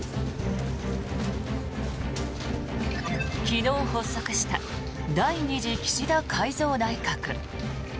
昨日発足した第２次岸田改造内閣。